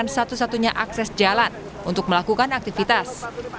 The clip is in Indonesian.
satu satunya akses jalan untuk melakukan aktivitas